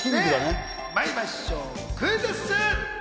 まいりましょう、クイズッス！